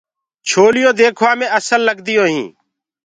لهرينٚ ديکوآ مي اسل لگديونٚ هينٚ۔